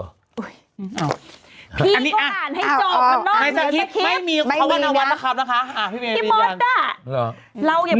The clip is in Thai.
พี่ก็อ่านให้จอบมานอกเลยคิด